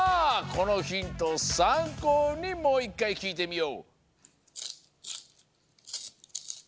このヒントをさんこうにもういっかいきいてみよう！